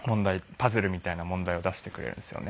パズルみたいな問題を出してくれるんですよね。